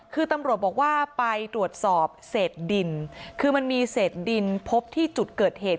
คือตำรวจบอกว่าไปตรวจสอบเศษดินคือมันมีเศษดินพบที่จุดเกิดเหตุ